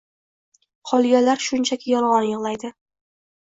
Qolganlar shunchaki yolgon yiglaydi